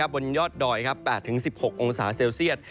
บนยอดดอย๘๑๖องศาเซลเซียต